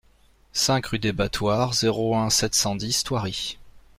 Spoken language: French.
cinq rue des Battoirs, zéro un, sept cent dix, Thoiry